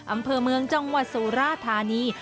อำเภอเมืองจังหวัดสุราธานี